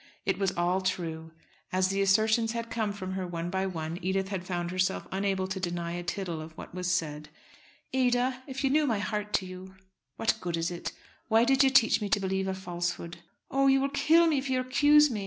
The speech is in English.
It was all true. As the assertions had come from her one by one, Edith had found herself unable to deny a tittle of what was said. "Ada, if you knew my heart to you." "What good is it? Why did you teach me to believe a falsehood?" "Oh! you will kill me if you accuse me.